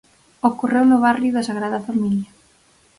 Ocorreu no barrio da Sagrada Familia.